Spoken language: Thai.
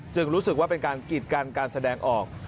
รู้สึกว่าเป็นการกีดกันการแสดงออก